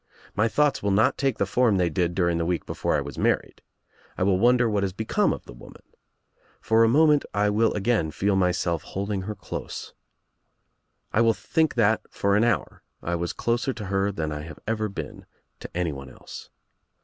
My thoughts will not take the form they did during the week before I was married. I will wonder what has become of the woman. For a moment I will again feel myself hold ing her close. I will think that for an hour I was closer to her than I have ever been to anyone else.